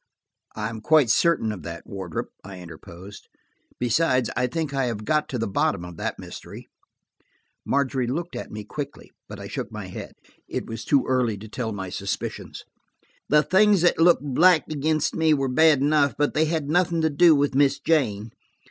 "I am quite certain of that, Wardrop," I interposed. "Beside, I think I have got to the bottom of that mystery." Margery looked at me quickly, but I shook my head. It was too early to tell my suspicions. "The things that looked black against me were bad enough, but they had nothing to do with Miss Jane.